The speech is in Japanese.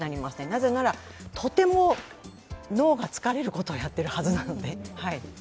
なぜなら、とても脳が疲れることをやってるはずなので。